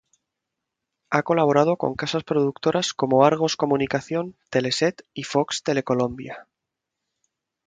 Ha colaborado con casas productoras como Argos Comunicación, Teleset y Fox Telecolombia.